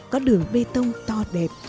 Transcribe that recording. có đường bê tông to đẹp